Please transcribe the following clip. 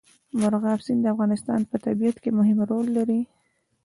مورغاب سیند د افغانستان په طبیعت کې مهم رول لري.